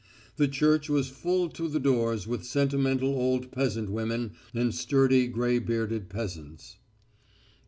The church was full to the doors with sentimental old peasant women and sturdy grey bearded peasants.